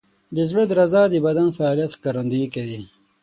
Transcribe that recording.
د زړه درزا د بدن د فعالیت ښکارندویي کوي.